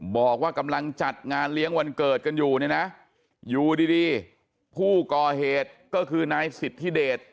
บอกว่ากำลังจัดงานเลี้ยงวันเกิดกันอยู่เนี่ยนะอยู่ดีผู้ก่อเหตุก็คือนายสิทธิเดช